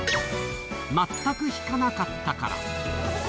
全く引かなかったから。